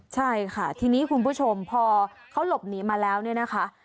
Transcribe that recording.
ใช่ค่ะทีนี้คุณผู้ชมพอเขาหลบหนีมาแล้วเนี่ยนะคะ